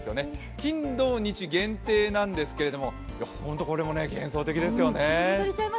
金土日限定なんですけど、本当にこれも幻想的ですよね。